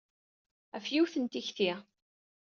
Ɣef yiwet n tikti.